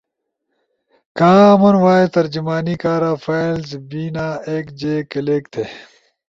کامن وائس ترجمائی کارا فائلز بینا۔ ایک جے کلک تھے